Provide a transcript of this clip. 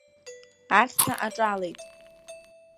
Ахьҭа аҿалеит.